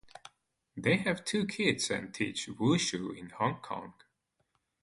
They have two kids and teach wushu in Hong Kong.